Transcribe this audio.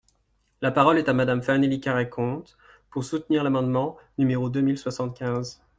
La parole est à Madame Fanélie Carrey-Conte, pour soutenir l’amendement numéro deux mille soixante-quinze.